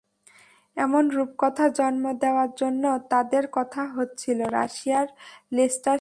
এমন রূপকথা জন্ম দেওয়া জন্য তাদের বলা হচ্ছিল রাশিয়ার লেস্টার সিটি।